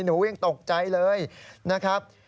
หนูยังตกใจเลยนะครับ